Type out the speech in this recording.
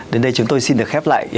đến đây chúng tôi xin được khép lại